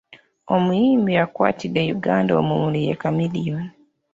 Omuyimbi akwatidde Uganda omumuli ye Chameleon.